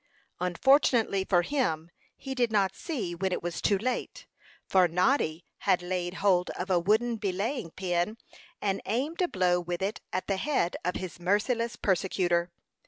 Unfortunately for him, he did see when it was too late; for Noddy had laid hold of a wooden belaying pin, and aimed a blow with it at the head of his merciless persecutor.